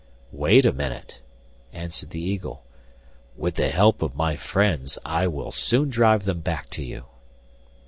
'Wait a minute,' answered the eagle; 'with the help of my friends I will soon drive them back to you.